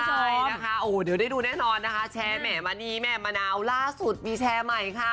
ใช่นะคะโอ้โหเดี๋ยวได้ดูแน่นอนนะคะแชร์แหมณีแม่มะนาวล่าสุดมีแชร์ใหม่ค่ะ